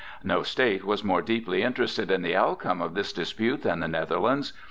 No state was more deeply interested in the outcome of this dispute than the Netherlands.